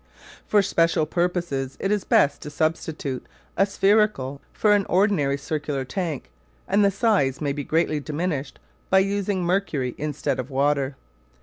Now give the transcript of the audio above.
For special purposes it is best to substitute a spherical for an ordinary circular tank and the size may be greatly diminished by using mercury instead of water.